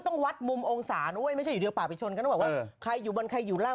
ตอนซ้อมให้หนูตกใจไม่ได้ตอนซ้อมให้หนูถามบางเอกเลยไง